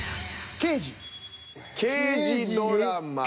「刑事ドラマ」。